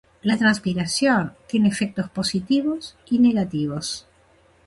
La transpiración tiene efectos positivos y negativos.